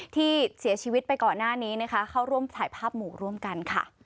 ที่เสียชีวิตไปก่อนหน้านี้นะคะเข้าร่วมถ่ายภาพหมู่ร่วมกันค่ะ